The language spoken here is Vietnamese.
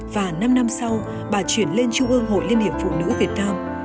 và năm năm sau bà chuyển lên trung ương hội liên hiệp phụ nữ việt nam